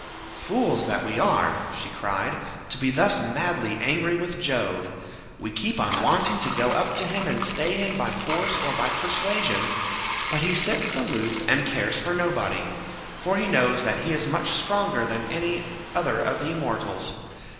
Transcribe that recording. "Fools that we are," she cried, "to be thus madly angry with Jove; we keep on wanting to go up to him and stay him by force or by persuasion, but he sits aloof and cares for nobody, for he knows that he is much stronger than any other of the immortals.